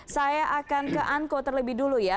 saya akan ke anco terlebih dulu ya